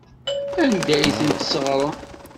Anda ay ten-tesɣesrem?